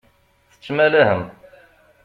Tettmalahem.